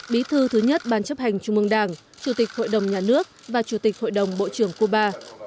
bí thư thứ nhất ban chấp hành trung mương đảng chủ tịch hội đồng nhà nước và chủ tịch hội đồng bộ trưởng cuba